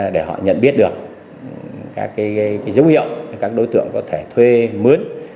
để họ nhận biết được các dấu hiệu các đối tượng có thể thuê mướn